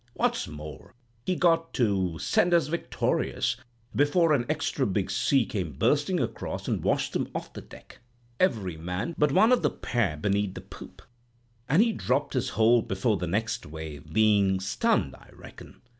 What's more, he got to 'Send us victorious,' before an extra big sea came bursting across and washed them off the deck—every man but one of the pair beneath the poop—and he dropped his hold before the next wave; being stunned, I reckon.